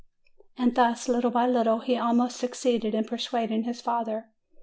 '' And thus little by little he almost succeeded in per suading his father.